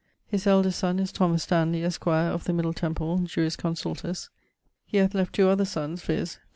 His eldest sonne is Thomas Stanley, esq., of the Middle Temple, jurisconsultus. He hath left two other sonnes, viz.